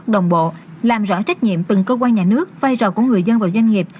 đồng bộ làm rõ trách nhiệm từng cơ quan nhà nước vai trò của người dân và doanh nghiệp